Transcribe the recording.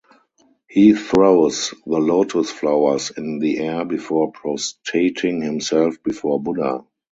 He throws the lotus flowers in the air before prostrating himself before Buddha.